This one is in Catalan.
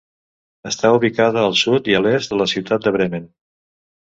Està ubicada al sud i a l'est de la ciutat de Bremen.